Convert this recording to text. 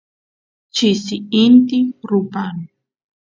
chisi inti rupan